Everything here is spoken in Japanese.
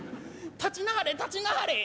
立ちなはれ立ちなはれ」。